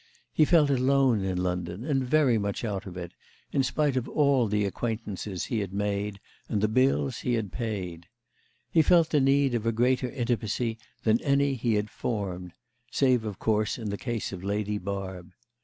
He felt alone in London, and very much out of it, in spite of all the acquaintances he had made and the bills he had paid; he felt the need of a greater intimacy than any he had formed—save of course in the case of Lady Barb.